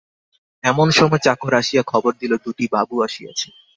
এমন সময় চাকর আসিয়া খবর দিল, দুটি বাবু আসিয়াছে।